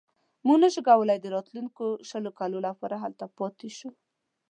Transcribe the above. موږ نه شو کولای د راتلونکو شلو کالو لپاره هلته پاتې شو.